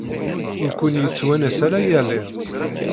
Ur ken-yettwanas ara yal iḍ.